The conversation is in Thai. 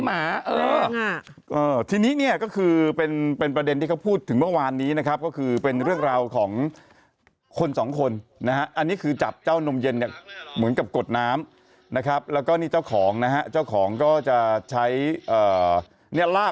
ไม่ต้องเป็นแบบว่าโลกเขารู้หมดแล้วหนูไม่ต้องตื่นตนกเยอะ